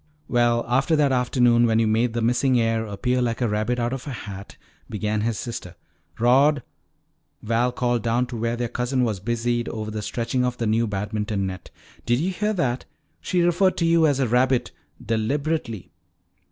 "Well, after that afternoon when you made the missing heir appear like a rabbit out of a hat " began his sister. "Rod," Val called down to where their cousin was busied over the stretching of the new badminton net, "did you hear that? She referred to you as a rabbit deliberately."